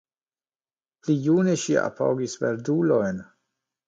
Pli june ŝi apogis verdulojn.